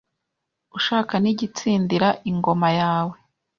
Ushaka n'igitsindira ingoma yawe